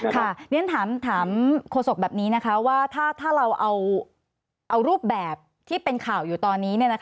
เรียนถามโฆษกแบบนี้นะคะว่าถ้าเราเอารูปแบบที่เป็นข่าวอยู่ตอนนี้